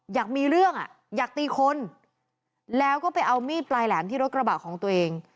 อยากมีเรื่องอ่ะอยากตีคนแล้วก็ไปเอามีดปลายแหลมที่รถกระบะของตัวเอง